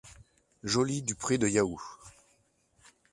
Jolie du Pre de Yahoo!